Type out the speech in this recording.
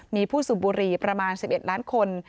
มีผู้สูบบุหรี่ประมาณ๑๑ล้านคน